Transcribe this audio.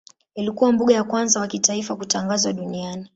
Ilikuwa mbuga ya kwanza wa kitaifa kutangazwa duniani.